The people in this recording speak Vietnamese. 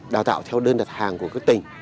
đào tạo theo đơn đặt hàng của các tỉnh